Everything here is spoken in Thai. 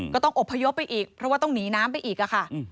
ก็ต้องอบพยพไปอีกเพราะว่าต้องหนีน้ำไปอีกค่ะ